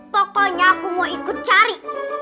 pokoknya aku mau ikut cari